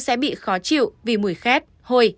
sẽ bị khó chịu vì mùi khét hôi